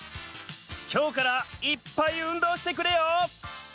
きょうからいっぱい運動してくれよ！